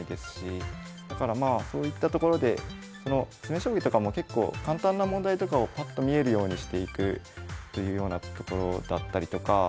だからまあそういったところでその詰将棋とかも結構簡単な問題とかをパッと見えるようにしていくというようなところだったりとか。へえ。